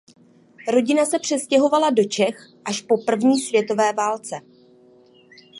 Rodina se přestěhovala do Čech až po první světové válce.